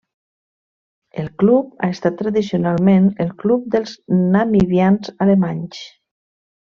El club ha estat tradicionalment el club dels namibians alemanys.